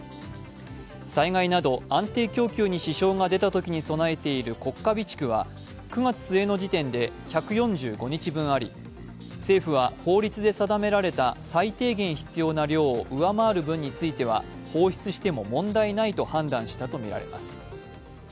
災害など安定供給に支障が出たときに備えている国家備蓄は９月末の時点で１４５日分あり政府は法律で定められた最低限必要な量を上回る分については放出しても問題ないと判断したとみられます。